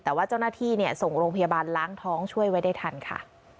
แต่ว่าเจ้าหน้าที่ส่งโรงพยาบาลล้างท้องช่วยไว้ได้ทันค่ะ